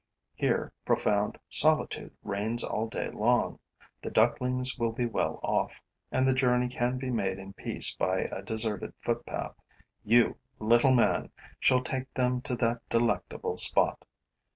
Here profound solitude reigns all day long. The ducklings will be well off; and the journey can be made in peace by a deserted footpath. You, little man, shall take them to that delectable spot.